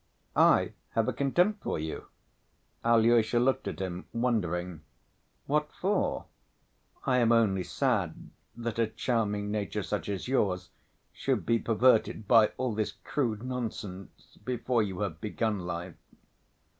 "I have a contempt for you?" Alyosha looked at him wondering. "What for? I am only sad that a charming nature such as yours should be perverted by all this crude nonsense before you have begun life."